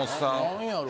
何やろ？